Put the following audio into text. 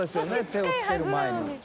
手をつける前に。